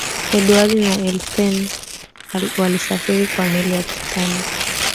edward na ethel beanov walisafiri kwa meli ya titanic